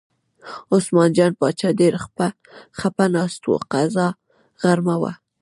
عثمان جان باچا ډېر خپه ناست و، قضا غرمه وه.